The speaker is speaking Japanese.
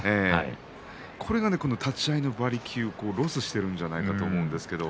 これが立ち合いの馬力をロスしているんじゃないかと思うんですよね。